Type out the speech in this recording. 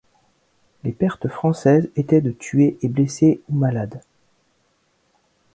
Les pertes françaises étaient de tués et blessés ou malades.